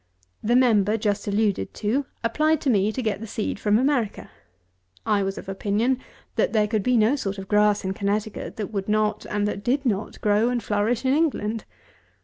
The member just alluded to applied to me to get the seed from America. I was of opinion that there could be no sort of grass in Connecticut that would not, and that did not, grow and flourish in England.